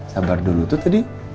sabar dulu tuh tadi